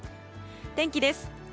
天気です。